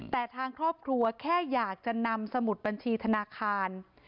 แต่ทางครอบครัวแค่อยากจะนำสมุดบัญชีธนาคาร